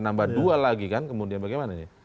nambah dua lagi kan kemudian bagaimana nih